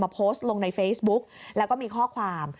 โพสต์ลงในเฟซบุ๊กแล้วก็มีข้อความ